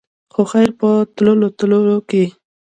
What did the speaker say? خو خېر په تلو تلو کښې